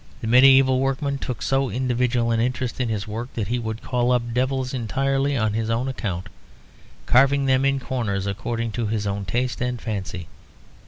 The medieval workman took so individual an interest in his work that he would call up devils entirely on his own account, carving them in corners according to his own taste and fancy.